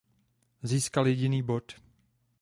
Získal jediný bod.